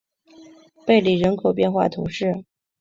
贝里人口变化图示